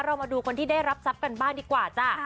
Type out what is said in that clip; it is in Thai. มาดูคนที่ได้รับทรัพย์กันบ้างดีกว่าจ้ะ